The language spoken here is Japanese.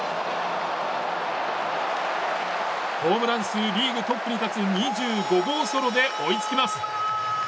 ホームラン数リーグトップに立つ２５号ソロで追いつきます。